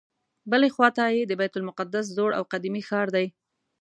بلې خواته یې د بیت المقدس زوړ او قدیمي ښار دی.